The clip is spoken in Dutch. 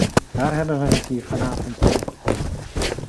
Daar hebben we het hier vanavond ook over.